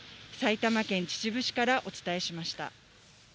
埼玉県秩父市からお伝えしました。